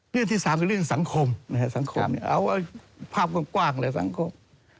เรื่องที่สามเรื่องสังคมภาพกว้างเลยสังคม